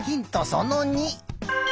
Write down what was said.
その２。